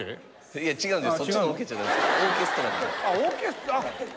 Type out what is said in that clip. いや違うんです。